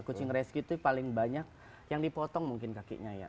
kucing reski itu paling banyak yang dipotong mungkin kakinya ya